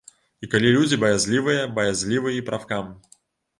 І калі людзі баязлівыя, баязлівы і прафкам.